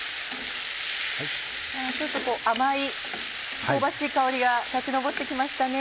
ちょっと甘い香ばしい香りが立ち上って来ましたね。